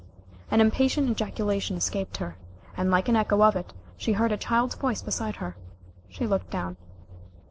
An impatient ejaculation escaped her, and like an echo of it she heard a child's voice beside her. She looked down.